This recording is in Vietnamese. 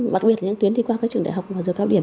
bặc biệt là những tuyến đi qua trường đại học và giờ cao điểm